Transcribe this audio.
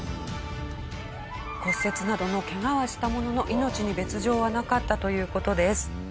骨折などのケガはしたものの命に別条はなかったという事です。